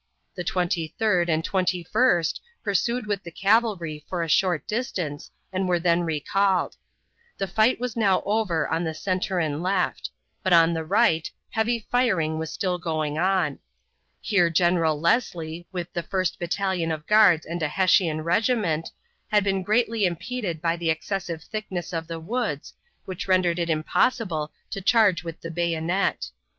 The Twenty third and Twenty first pursued with the cavalry for a short distance and were then recalled. The fight was now over on the center and left, but on the right heavy firing was still going on. Here General Leslie, with the first battalion of guards and a Hessian regiment, had been greatly impeded by the excessive thickness of the woods, which rendered it impossible to charge with the bayonet.